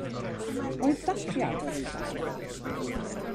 Oedd dathliad o ryw fath?